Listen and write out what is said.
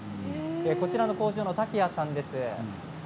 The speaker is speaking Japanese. こちらの工場の竹谷さんです。